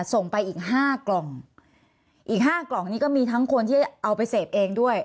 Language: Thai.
ส่งไปอีกห้ากล่องอีกห้ากล่องนี้ก็มีทั้งคนที่เอาไปเสพเองด้วย